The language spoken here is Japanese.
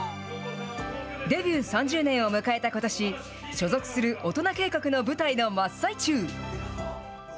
デビュー３０年を迎えたことし、所属する大人計画の舞台の真っ最中。